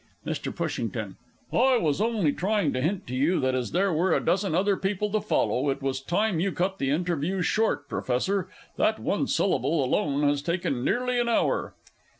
MR. PUSHINGTON. I was only trying to hint to you that as there were a dozen other people to follow, it was time you cut the interview short, Professor that one syllable alone has taken nearly an hour.